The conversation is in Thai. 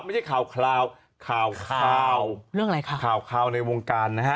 ไม่ใช่ข่าวคราวข่าวข่าวเรื่องอะไรคะข่าวในวงการนะฮะ